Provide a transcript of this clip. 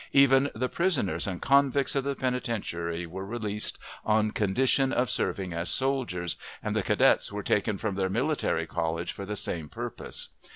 Even the prisoners and convicts of the penitentiary were released on condition of serving as soldiers, and the cadets were taken from their military college for the same purpose.